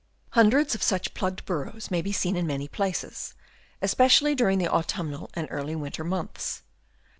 Hundreds of such plugged burrows may be seen in many places, especially during the autumnal and early winter months.